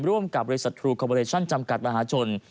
ร่วมกับบริษัททรูคอเวอเรชั่นจำกัดมหาชน